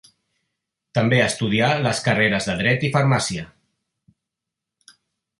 També estudià les carreres de Dret i Farmàcia.